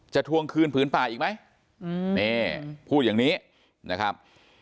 ทวงคืนผืนป่าอีกไหมนี่พูดอย่างนี้นะครับ